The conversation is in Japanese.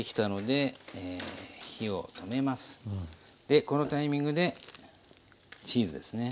でこのタイミングでチーズですね。